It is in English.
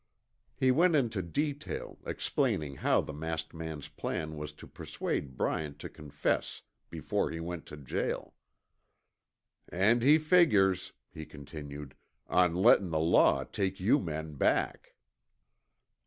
He went into detail, explaining how the masked man's plan was to persuade Bryant to confess before he went to jail. "And he figures," he continued, "on lettin' the law take you men back."